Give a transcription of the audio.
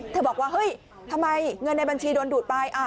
บอกว่าเฮ้ยทำไมเงินในบัญชีโดนดูดไป